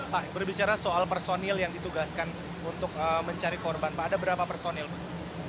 pak berbicara soal personil yang ditugaskan untuk mencari korban pak ada berapa personil pak